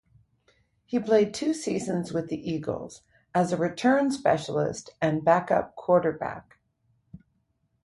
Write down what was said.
He played two seasons with the Eagles as a return specialist and backup cornerback.